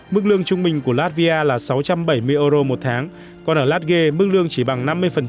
mức lương trung bình của latvia là sáu trăm bảy mươi euro một tháng còn ở latge mức lương chỉ bằng năm mươi